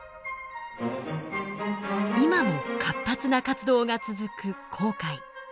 今も活発な活動が続く紅海。